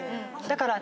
だから。